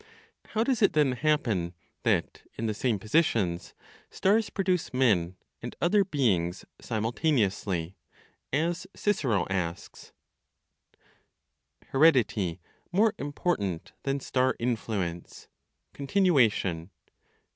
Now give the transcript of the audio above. How does it then happen that, in the same positions, stars produce men and other beings simultaneously (as Cicero asks)? HEREDITY MORE IMPORTANT THAN STAR INFLUENCE; CONTINUATION.